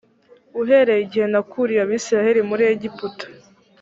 uhereye igihe nakuriye abisirayeli muri egiputa